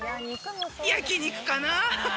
焼き肉かな。